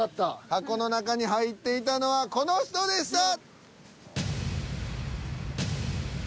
箱の中に入っていたのはこの人でした。